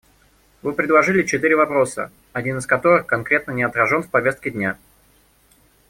Вы предложили четыре вопроса, один из которых конкретно не отражен в повестке дня.